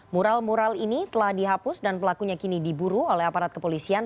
mural mural ini telah dihapus dan pelakunya kini diburu oleh aparat kepolisian